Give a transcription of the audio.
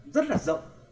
rất là rộng